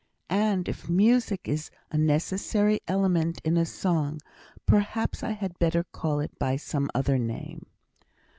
And if music is a necessary element in a song, perhaps I had better call it by some other name.